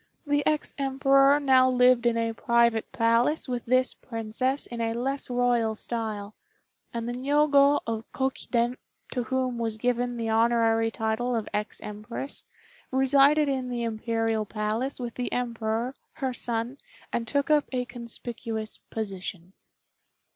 The ex Emperor now lived in a private palace with this Princess in a less royal style; and the Niogo of Kokiden, to whom was given the honorary title of ex Empress, resided in the Imperial Palace with the Emperor, her son, and took up a conspicuous position.